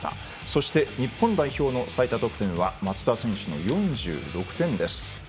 そして日本代表の最多得点は松田選手の４６点です。